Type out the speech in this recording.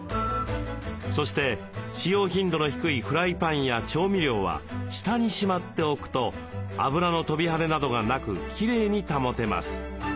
そして使用頻度の低いフライパンや調味料は下にしまっておくと油の飛び跳ねなどがなくきれいに保てます。